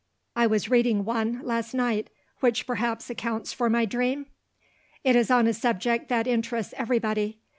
I was reading one, last night which perhaps accounts for my dream? It is on a subject that interests everybody.